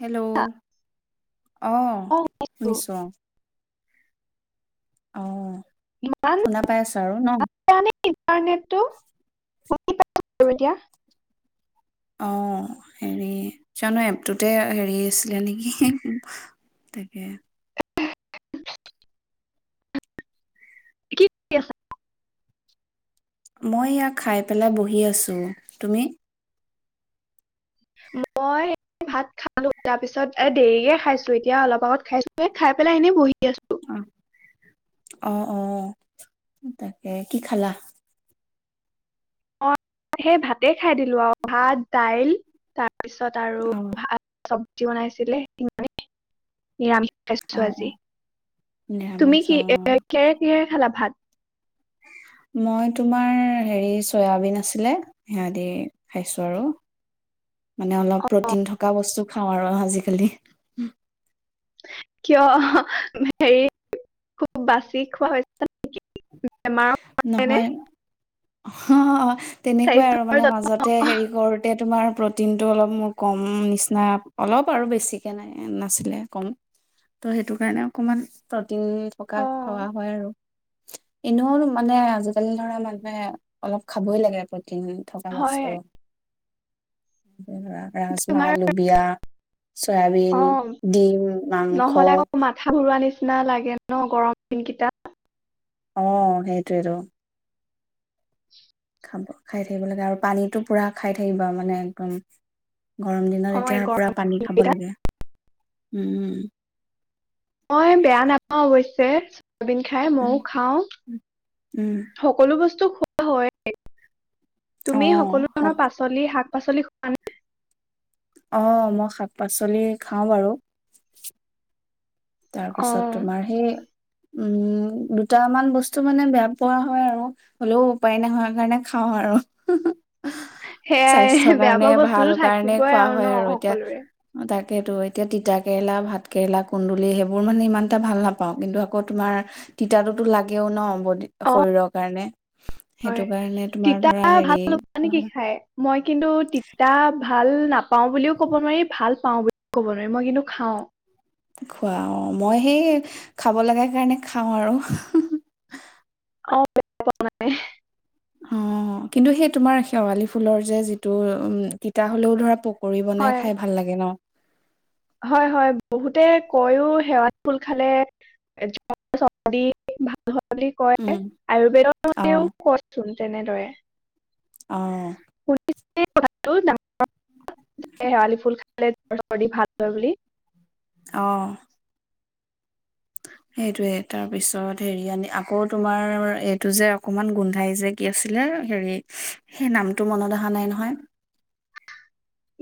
Hello অ শুনিছোঁ অ অ মান শুনা পাই আছা আৰু ন দে ইণ্টাৰনেটটো দিয়া অ হেৰি জানো এপটোতে হেৰি আছিলে নেকি তাকে কি মই ইয়াক খাই পেলাই বহি আছো তুমি মই ভাত খালো তাৰ পিছত এ দেৰিকে খাইছো এতিয়া অলপ আগত খাইছো খাই পেলাই এনেই বহি আছো অ অ অ তাকে কি খালা অ সেই ভাতে খাই দিলো আৰু ভাত দাইল তাৰপিছত আৰু অ ভাল চব্জি বনাইছিলে সিমানে নিৰামিষ খাইছো অ অ আজি। তুমি নিৰামিষ কি অ কিহেৰে কিহেৰে খালা ভাত? মই তোমাৰ হেৰি চয়াবিন আছিলে হেয়া দি খাইছোঁ আৰু। মানে অলপ অ', প্ৰটিন থকা বস্তু খাওঁ আৰু আজিকালি। কিয় হেৰি খুব বাচি খোৱা হৈছো। নহয়, অ তেনেকুৱাই আৰু স্বাস্থ্যৰ মানে যত্ন মাজতে অ', হেৰি কৰোতে তোমাৰ প্ৰটিন টো অলপ মোৰ কম নিচিনা অলপ আৰু বেছিকে নাই নাছিলে কম। ত' সেইটো কাৰণে অকমান টিন থকা খোৱা হয় আৰু। এনেও মানে আজিকালি ধৰা মানুহে অলপ খাবই লাগে প্ৰটিন। টিন থকা হয়। বস্তু। [inaudible] [unintelligible] তোমাৰ ৰাজমাহ, লুবিয়া। চয়াবিন, অ' ডিম, মাংস। নহ'লে আকৌ মাথা ঘূৰোৱা নিচিনা লাগে ন গৰম দিন গিতাত। অ সেইটোৱেইটো। খাব খাই থাকিব লাগে আৰু পানীটো পুৰা খাই থাকিব মানে একদম গৰম দিনত অ' এই এতিয়া পুৰা গৰম পানী খাব দিনকেইটা লাগে। উম। মই বেয়া নাপাওঁ অৱশ্যে। [unintelligible] খাই উম ময়ও খাওঁ উম সকলো বস্তু [unintelligible] অ', তুমি সকলো শাক ধৰণৰ পাচলি শাক পাচলি খোৱা নে নাই? [unintelligible] অ মই শাক পাচলি খাওঁ বাৰু। তাৰপিছত অ' তোমাৰ সেই উম, দুটামান বস্তু মানে বেয়া পোৱা হয় আৰু, হ'লেও উপায় নহয় কাৰণে খাওঁ আৰু। সেয়াই স্বাস্থ্যৰ বেয়া কাৰণে পোৱা ভাল বস্তুটো কাৰণে থাকিবই আৰু ন সকলোৰে তো এতিয়া তিতা কেৰেলা, ভাত কেৰেলা, কুন্দো বুলি সেইবোৰ মানে ইমান এটা ভাল নাপাও কিন্তু আকৌ তোমাৰ তিতা তোতো লাগেও ন। বডি অ শৰীৰৰ কাৰণে সেইটো হয়। কাৰণে তোমাৰ তিতা ধৰা হেৰি ভাল নোপোৱা নেকি খাই? মই কিন্তু তিতা ভাল নাপাওঁ বুলিও ক'ব নোৱাৰি ভাল পাওঁ বুলিও ক'ব নোৱাৰি মই কিন্তু খাওঁ। খোৱা অ মই সেই খাব লগা কাৰণে খাওঁ আৰু। অ [unintelligible] প মানে। অ, কিন্তু সেই তোমাৰ শেৱালি ফুলৰ যে যিটো উম তিতা হলেও ধৰা পু কৰি বনাই হয় খাই ভাল লাগে ন। হয়, হয় বহুতে কইয়ো শেৱালি ফুল খালে জ্বৰ, চৰ্দি ভাল বুলি কয় উম, আয়ুৰ্বেদৰ অ', [unintelligible] কয় চোন। তেনেদৰে অ শুনি ক ডাঙৰ শেৱালি ফুল খালে সৰ্দি ভাল হয় বুলি আহ সেইটোৱে তাৰপিছত হেৰি আনি আকৌ তোমাৰ এইটো যে অকমান গোন্ধাই যে কি আছিলে হেৰি সেই নামটো মনত অহা নাই নহয়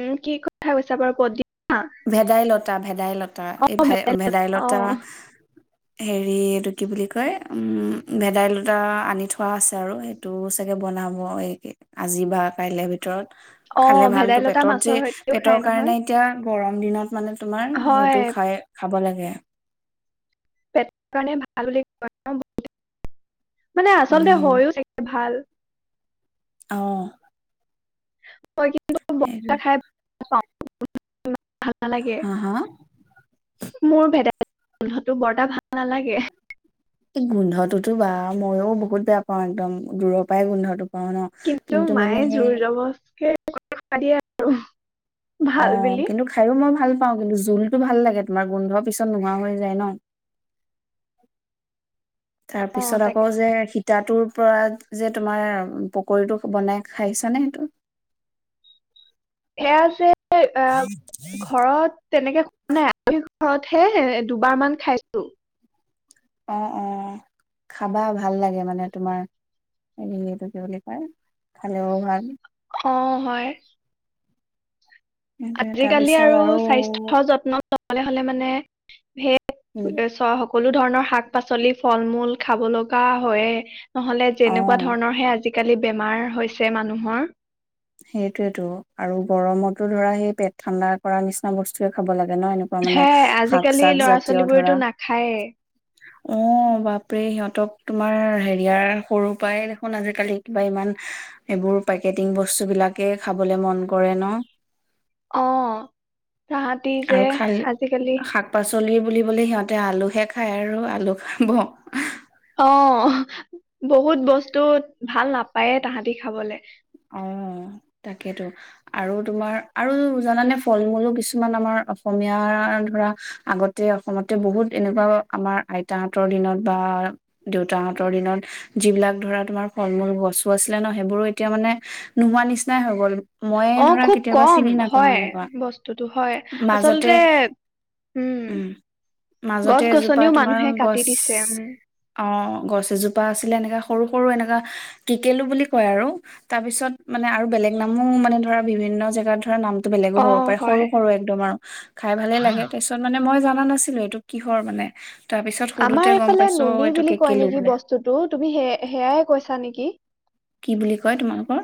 উম কি কথা কৈছা বাৰু প ভেদাইলতা ভেদাইলতা অ এই ভ অ ভেদাইলতা হেৰি এইটো কি বুলি কয় উম ভেদাইলতা আনি থোৱা আছে আৰু সেইটো চাগে বনাব এইে আজি বা কাইলে ভিতৰত ভিতৰত অ খালে ভালতটো ভেদাইলতা পেটত যে মাছৰ সৈতেও খাই পেটৰ নহয় কাৰণে এতিয়া গৰম দিনত। মানে তোমাৰ হয় সেইটো খাই খাব লাগে। হে পেটৰ কাৰণে ভাল বুলি কয় বহোঁতে মানে আচলতে উম হয়ওে ভাল। আহ। হয়ই কিন্তু বৰা খাই ভাল পাওঁ। উম। ভাল নালাগে। হা হা মোৰ ভেদ বানন্ধতো বৰ্তটা ভাল নালাগে। এই গোন্ধটোতো বা মইো বহুত বেয়া পাওঁ একদম দূৰৰ পৰাই গোন্ধটো। পাওঁ ন কিন্তু মানে মায়ে সেই জোৰ জবসকে। পিয় আৰু অ কিন্তু খাইো মই ভাল পাওঁ কিন্তু জোলতটো ভাল লাগে। তোমাৰ গোন্ধ পিছত নোহোৱা হৈ যায় ন। তাৰ অ পিছত তাকে আকৌ যে শ। তাতৰ পৰা যে তোমাৰ পকীটো বনাই খাইছানে সেইটো সেয়া আছে। এ ঘৰত তেনেকে। নাই আমি ঘৰতহে দুবাৰ মান খাইছো। অ অ খাবা ভাল লাগে মানে তোমাৰ হেৰিটো কি বুলি কয় খালেও ভাল। অ হয়। সেইটোৱে আজিকালি তাৰপিছত আৰু স্বাস্থ্য যত্ন। চলে হলে মানে সে। উম, চহক। সকলো ধৰণৰ শাক পাচলি ফল মূল খাব লগা হয়। নহলে যেনেকুৱা অ', ধৰণৰ হে আজি। আজিকালি বেমাৰ হৈছে মানুহৰ। সেইটোয়েইটো। আৰু গৰমতো ধৰা সেই পেট ঠাণ্ডা কৰা নিচিনা বস্তুয়ে খাব লাগে। ন এনেকুৱা মানে সেয়াই শাক আজিকালি চাক ল'ৰা জাতীয় ধৰা। ছোৱালীবোৰেতো নাখায়েই। অ' বাপৰে সিহঁতক তোমাৰ হেৰিয়াৰ সৰুৰ পৰাই দেখোন আজিকালি কিবা ইমান এইবোৰ পেকেটিং বস্তু। বস্তু বিলাকে খাবলে মন কৰে ন? অ! তাহাঁতি যে আৰু খাল আজিকালি শাক -পাচলি বুলি। সিহঁতে আলুহে খায় আৰু আলু খাব। অ বহুত বস্তু ভাল নাপায়ে তাহাঁতি খাবলে। অ তাকেইেতো আৰু তোমাৰ আৰু জানানে ফল মূলো কিছুমান আমাৰ অসমীয়াৰ ধৰা আগতে অসমতে বহুত এনেকুৱা আমাৰ আইতাহঁতৰ দিনত বা দেউতাহতৰ দিনত যিবিলাক ধৰা তোমাৰ ফল মূল গছো আছিলে ন সেইবোৰো এতিয়া মানে। নোহোৱা নিচিনাই হৈ গ'ল। মই অ ধৰা খুব কেতিয়াবা কম চিনি নাপাও হয় এনেকুৱা। বস্তুটো হয় মাজতে, আচলতে উম গছ মাজতে এজোপা গছনিও তোমাৰ মানুহে কাটি গছ দিছে উম অ গছ এজোপা আছিলে এনেকুৱা সৰু সৰু এনেকুৱা টিকেলো বুলি কয় আৰু তাৰপিছত মানে আৰু বেলেগ নামো মানে ধৰা বিভিন্ন জেগাত ধৰা নাম বেলেগো অ হ'ব পাৰে হয় সৰু সৰু একদম আৰু খাই ভালে লাগে তাৰ পিছত মানে মই জানা নাছিলো এইটো কিহৰ মানে তাৰ পিছত সুধোতে আমাৰ গম এইফালে পাইছো নুনী এইটো বুলি কয় কেকেলু নেকি বোলে বস্তুটো তুমি সে সেয়াই কৈছা নেকি! কি বুলি কয় তোমালোকৰ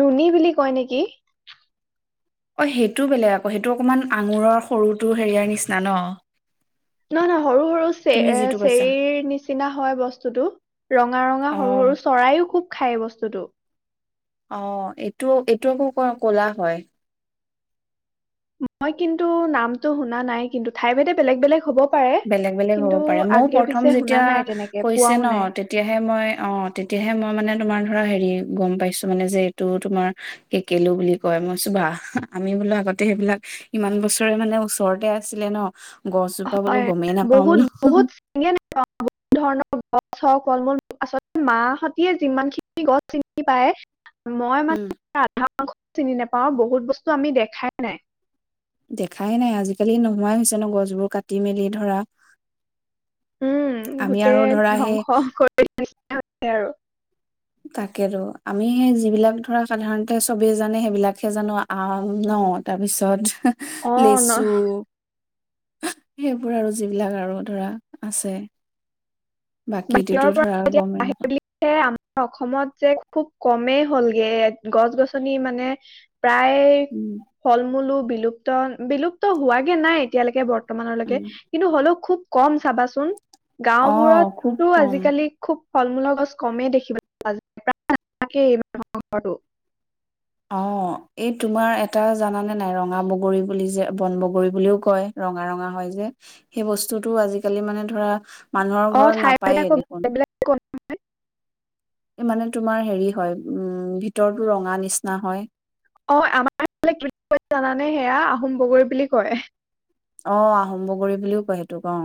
নুনী বুলি কয় নেকি! অ সেইটো বেলেগ আকৌ সেইটো অকনমান আঙুৰৰ সৰুটো হেৰিয়াৰ নিচিনা ন? নহয় নহয় সৰু সৰু চ তুমি যিটো এ কৈছা চেৰ নিচিনা হয় বস্তুটো ৰঙা ৰঙা অ সৰু সৰু চৰাইও খুব খাই বস্তুটো অ এইটো এইটো আকৌ কলা হয়। মই কিন্তু নামটো শুনা নাই কিন্তু ঠাই ভেদে বেলেগ বেলেগ হ'ব পাৰে বেলেগ বেলেগ হব কিন্তু পাৰে মইও আগে প্ৰথম পিছে শুনা যেতিয়া নাই তেনেকে কৈছে পোৱাও ন নাই তেতিয়াহে মই অ তেতিয়াহে মই মানে তোমাৰ ধ হেৰি গম পাইছো মানে যে এইটো তোমাৰ কেকেলো বুলি কয় মই বোলো ৱাহ আমি বোলো আগতে সেইবিলাক ইমান বছৰে মানে ওচৰতে আছিলে ন গছজোপা বোলো হয় গমেই নাপাও বহুত বোলো বহুত চিনিয়ে নাপাও [unintelligible] বহুত ধৰণৰ গছ হওক, ফল মূল হওক আচলতে মা হতিয়ে যিমান খিনি গছ চিনি পায় মই উম মানে আধা অংশও চিনি নাপাওঁ অ বহুত বস্তু আমি দেখাই নাই দেখাই নাই আজিকালি নোহোৱাই হৈছে ন গছবোৰ কাটি মেলি ধৰা উম আমি আৰু গোটেই ধৰা সেই ধ্বংস কৰি আৰু তাকেতো আমি যিবিলাক ধৰা সাধাৰণতে চবেই জানে সেইবিলাকহে জানো আ ন তাৰপিছত অ লেচু ন সেইবোৰ আৰু যিবিলাক আৰু ধৰা আছে। বাকীটোতো বাহিৰৰ পৰা ধৰা যেতিয়া গমেই বাহিৰ নাপাওঁ বুলি অসমত যে খুব কমেই হ'লগে গছ গছনি মানে প্ৰায় উম ফল মূলো বিলুপ্ত বিলুপ্ত হোৱাাগে নাই এতিয়ালৈকে বৰ ব্তমানৰলৈকে উম কিন্তু হ'লেও খুব কম চাবাচোন অ' গাঁওবোৰত খুব তটো কম আজিকালি খুব ফল মূলৰ গছ কমেই দেখিবলৈ পোৱা যায় প্ৰায় নথাকেই এই মানুহৰ ঘটো অ এই তোমাৰ এটা জানানে নাই ৰঙা বগৰী বুলি যে বন বগৰী বুলিও কয় ৰঙা ৰঙা হয় যে সেই বস্তুটো আজিকালি মানে ধৰা মানুহৰ অ ঘৰত ঠাই ভেদে নাপায়েই আকৌ দেখোন বেলেগ বেলেগ মানে তোমাৰ হেৰি হয় উম ভিতৰতো ৰঙা নিচিনা হয় অঁ আমাৰ জানানে সেয়া আহোম বগৈ বুলি কয় আহ আহোম্ভগৰী বুলিও কয় সেইটো কও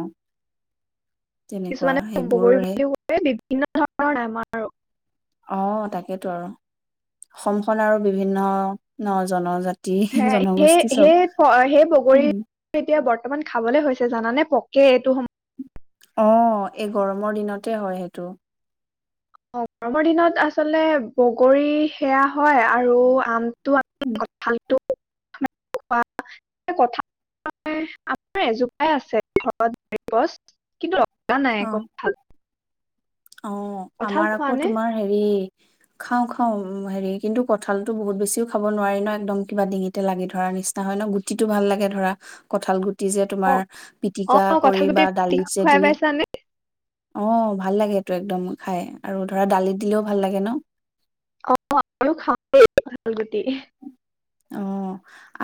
কিছুমানে সম্ভ কৰি বুলি ক বিন্ন ধৰণৰ আমাৰ অঁ তাকেইেতো আৰু অসমখন আৰু বিভিন্ন জনজাতি সেই জনগোষ্ঠী চব সেই সেই বগৰী উম। এতিয়া বৰ্তমান খাবলে হৈছে জানানে পক কে তু অঁ এই গৰমৰ দিনতে হয় সেইটো অ গৰমৰ দিনত আচলতে বগৰী সেয়া হয় আৰু আম ত উম। ভাল ৱা কথা আমাৰ এজোপাই আছে ঘৰত গছ কিন্তু কোৱা নাই ক ভাল অঁ আমাৰ আকৌ নে তোমাৰ হেৰি খাওঁ খাওঁ হেৰি কিন্তু কঠালতো বহুত বেছিওঁ খাব নোৱাৰি ন একদম কিবা ডিঙিতে লাগি ধৰা নিচিনা হয় ন গুটিটো ভাল লাগে ধৰা কঁঠাল গু যে অ তোমাৰ অ পিটিকা কৰি কঁঠাল গুটি বা দালিত পিটিকা যে দি খুৱাই পাইছানে অঁ ভাল লাগে একদম খাই আৰু ধৰা দালিত দিলেও ভাল লাগে ন অঁ খাও ভাল অঁ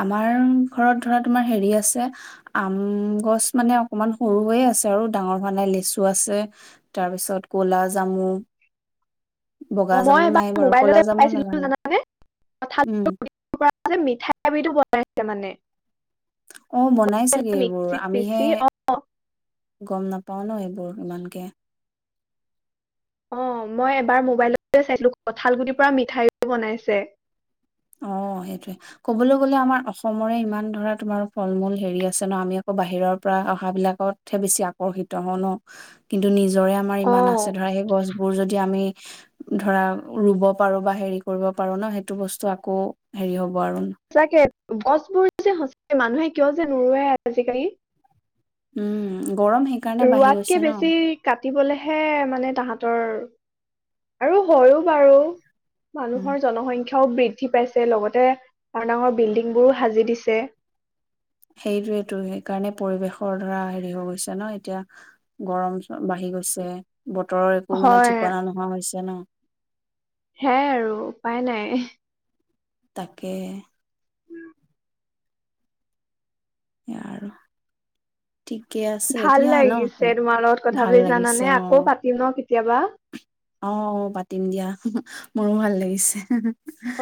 আমাৰ ঘৰত ধৰা তোমাৰ হেৰি আছে আম গছ মানে অকণমান সৰু হৈ আছে আৰু ডাঙৰ হানে লেচু আছে তাৰপিছত কলা জামু বগা অঁ মই জামু এবাৰ নাই বাৰু ক'লা মোবাইলতে জামু লগা পাইছিলো নাই জানানে উম যে মিঠাই আবিটো বনাই এ মানে অঁ বনাই চাগে এইবোৰ মিক্সিত আমিহে পিচি অ গম নাপাওঁ ন এইবোৰ ইমানকে অঁ মই এবাৰ মোবাইল চাইছিলো কঁঠালগুটিৰ পৰা মিঠাইো বনাইছে অঁ সেইটোৱে কবলৈ গলে আমাৰ অসমৰে ইমান ধৰা তোমাৰ ফল মূল হেৰি আছে ন আমি আকৌ বাহিৰৰ পৰা অহা বিলাকতহে বেছি আকৰ্ষিত হওঁ ন কিন্তু নিজ জ্বৰে আমাৰ অ ইমান আছে ধৰা সেই গছবোৰ যদি আমি ধৰা ৰুব পাৰো বা হেৰি কৰিব পাৰো ন সেইটো বস্তু আ হেৰি হ'ব বাৰণ সঁচাকে গছবোৰ যে সঁচাক মানুহে কিয় যে নৰুৱে আজিকালি উম গৰম সেইকাৰণে বাঢ়ি ৰোৱাতকে গৈছে ন বেছি কাটিবলেহে মানে তাহত ৰ আৰু হয়ো বাৰু উম মানুহৰ জনসংখ্যা শাও বৃদ্ধি পাইছে লগতে ডাঙৰ ডাঙৰ বিল্ডিংবোৰো সাজি দিছে সেইটোয়েতো সেইকাৰণে পৰিৱেশৰ ধৰা হেৰি হৈ গৈছে ন এতিয়া গৰম বাঢ়ি গৈছে বতৰৰ একো মানে হয় ঠিকনা নোহোৱা হৈছে ন সে আৰু উপায় নাই তাকে আৰু ঠিকে আছে ভাল এতিয়া লাগিছে ন তোমাৰ লগত কথা ভাল পাতি লাগিছে জানানে আকৌ পাতিম ন কেতিয়াবা অ অ পাতিম দিয়া মোৰো ভাল লাগিছে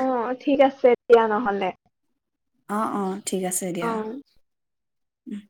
অ ঠিক আছে এয়া নহ'লে অ অ ঠিক আছে দিয়া অ উম